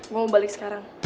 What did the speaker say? gue mau balik sekarang